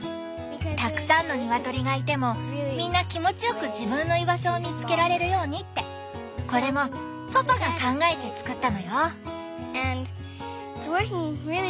たくさんのニワトリがいてもみんな気持ちよく自分の居場所を見つけられるようにってこれもパパが考えて作ったのよ！